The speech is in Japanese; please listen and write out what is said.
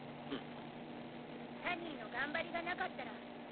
サニーの頑張りがなかったら私たち